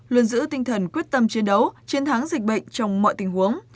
luôn giữ tinh thần quyết tâm chiến đấu chiến thắng dịch bệnh trong mọi tình huống